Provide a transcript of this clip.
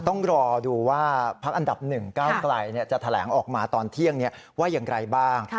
ต้องรอดูว่าพักอันดับ๑ก้าวไกลจะแถลงออกมาตอนเที่ยงว่าอย่างไรบ้าง